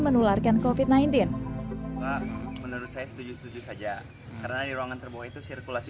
menularkan covid sembilan belas menurut saya setuju setuju saja karena di ruangan terbawah itu sirkulasi